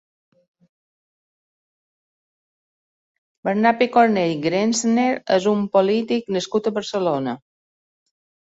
Bernat Picornell Grenzner és un polític nascut a Barcelona.